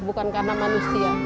bukan karena manusia